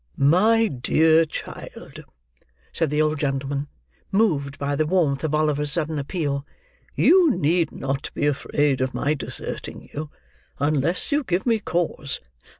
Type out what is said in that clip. "My dear child," said the old gentleman, moved by the warmth of Oliver's sudden appeal; "you need not be afraid of my deserting you, unless you give me cause."